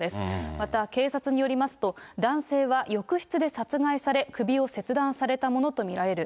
また警察によりますと、男性は浴室で殺害され、首を切断されたものと見られる。